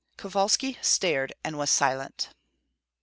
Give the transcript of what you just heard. Kovalski stared and was silent.